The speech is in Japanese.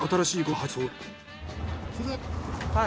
はい。